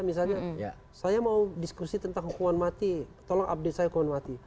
misalnya saya mau diskusi tentang hukuman mati tolong update saya hukuman mati